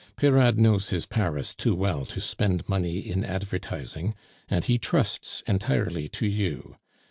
"Peyrade knows his Paris too well to spend money in advertising, and he trusts entirely to you.